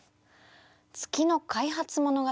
月の開発物語？